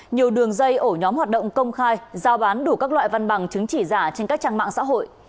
nhiều đường dây ổ nhóm hoạt động công khai giao bán đủ các loại văn bằng chứng chỉ giả trên các trang mạng xã hội